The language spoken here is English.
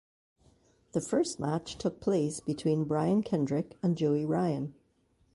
The first match took place between Brian Kendrick and Joey Ryan.